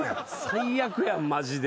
最悪やんマジで。